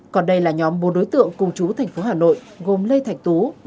còn đây là nhóm bốn đối tượng cùng chú tp hà nội gồm lê thạch tú